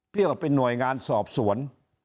เพียบเป็นหน่วยงานสอบสวน